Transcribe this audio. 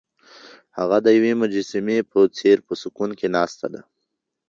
هغه د یوې مجسمې په څېر په سکون کې ناسته ده.